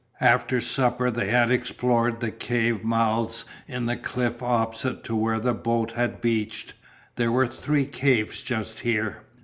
After supper they had explored the cave mouths in the cliff opposite to where the boat had beached. There were three caves just here.